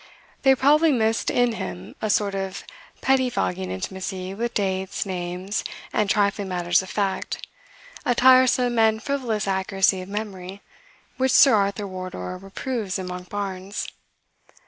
They probably missed in him "a sort of pettifogging intimacy with dates, names, and trifling matters of fact, a tiresome and frivolous accuracy of memory" which Sir Arthur Wardour reproves in Monkbarns.